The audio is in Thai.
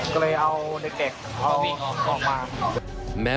ก็เลยเอาเด็กเอาออกมา